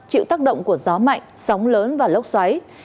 chịu tác động của gió mạnh sóng lớn và lốc xoáy